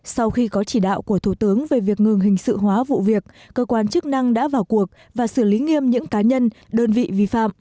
sau khi có chỉ đạo của thủ tướng về việc ngừng hình sự hóa vụ việc cơ quan chức năng đã vào cuộc và xử lý nghiêm những cá nhân đơn vị vi phạm